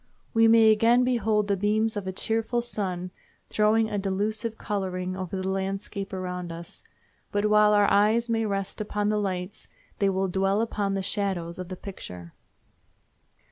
We may again behold the beams of a cheerful sun throwing a delusive coloring over the landscape around us, but while our eyes may rest upon the lights they will dwell upon the shadows of the picture.